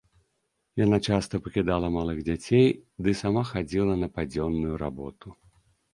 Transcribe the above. Яна часта пакідала малых дзяцей ды сама хадзіла на падзённую работу.